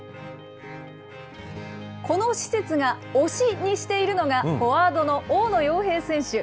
この施設が推しにしているのが、フォワードの大野耀平選手。